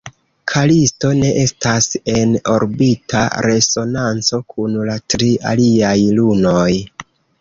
Kalisto ne estas en orbita resonanco kun la tri aliaj lunoj.